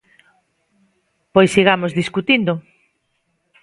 Pois sigamos discutindo.